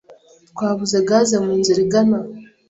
Twabuze gaze munzira igana.